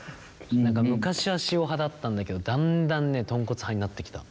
昔は塩派だったんだけどだんだんねとんこつ派になってきた。